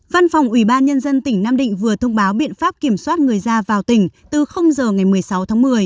văn phòng ủy ban nhân dân tỉnh nam định vừa thông báo biện pháp kiểm soát người ra vào tỉnh từ giờ ngày một mươi sáu tháng một mươi